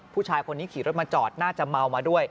ผู้ชายคนนี้ขี่รถมาจอดน่าจะเมามาด้วย